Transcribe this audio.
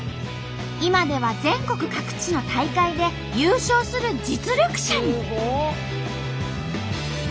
今では全国各地の大会で優勝する実力者に。